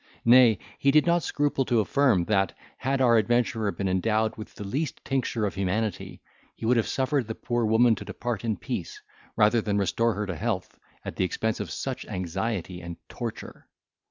Nay, he did not scruple to affirm, that, had our adventurer been endowed with the least tincture of humanity, he would have suffered the poor woman to depart in peace, rather than restore her to health, at the expense of such anxiety and torture.